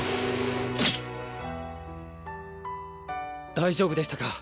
大丈夫でしたか？